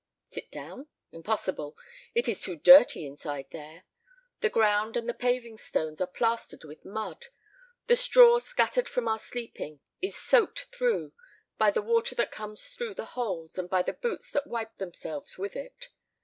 Sit down? Impossible; it is too dirty inside there. The ground and the paving stones are plastered with mud; the straw scattered for our sleeping is soaked through, by the water that comes through the holes and by the boots that wipe themselves with it.